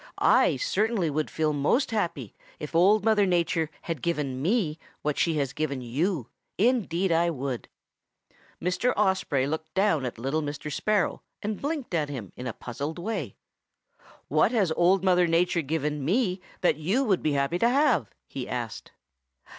I certainly would feel most happy if Old Mother Nature had given me what she has given you. Indeed I would.' "Mr. Osprey looked down at little Mr. Sparrow and blinked at him in a puzzled way. 'What has Old Mother Nature given me that you would be happy to have?' he asked.